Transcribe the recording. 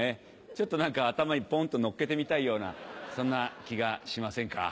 ちょっと何か頭にポンとのっけてみたいようなそんな気がしませんか？